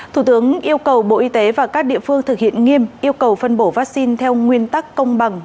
thủ tướng yêu cầu bộ y tế và các địa phương thực hiện nghiêm yêu cầu phân bổ vaccine theo nguyên tắc công bằng